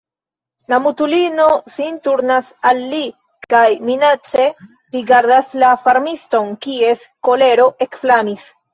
La mutulino sin turnas al li kaj minace rigardas la farmiston, kies kolero ekflamis.